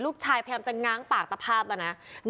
ลูกชายแพรมจะง้างปากตะภาพเพียบว่าป้านะ